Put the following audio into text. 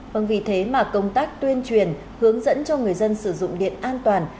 vâng vì thế mà công tác tuyên truyền hướng dẫn cho người dân sử dụng điện an toàn